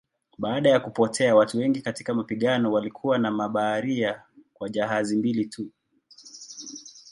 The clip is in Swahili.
Baada ya kupotea watu wengi katika mapigano walikuwa na mabaharia kwa jahazi mbili tu.